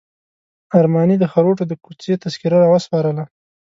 ارماني د خروټو د کوڅې تذکره راوسپارله.